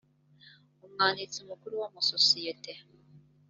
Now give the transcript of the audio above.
umwanditsi mukuru w amasosiyete